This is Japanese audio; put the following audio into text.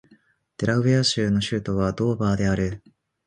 デラウェア州の州都はドーバーである